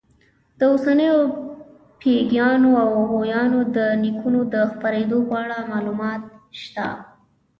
د اوسنیو ییږانو او غویانو د نیکونو د خپرېدو په اړه معلومات شته.